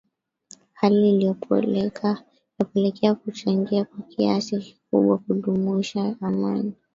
Hali iliyopelekea kuchangia kwa kiasi kikubwa kudumisha amani